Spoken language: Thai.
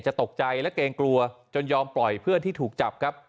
ตกใจและเกรงกลัวจนยอมปล่อยเพื่อนที่ถูกจับครับ